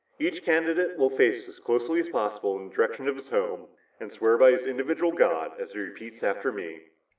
Each candidate will face as closely as possible in the direction of his home and swear by his own individual God as he repeats after me."